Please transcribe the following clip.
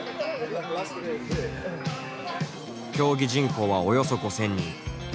競技人口はおよそ５，０００人。